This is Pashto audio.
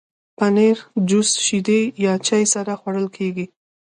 پنېر د جوس، شیدو یا چای سره خوړل کېږي.